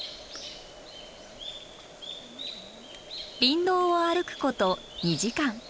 林道を歩くこと２時間。